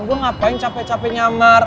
gue ngapain capek capek nyamar